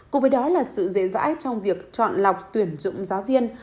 cùng với đó là sự dễ dãi trong việc chọn lọc tuyển dụng giáo viên